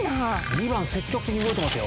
２番積極的に動いてますよ